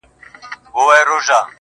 دا هوښیاري نه غواړم، عقل ناباب راکه.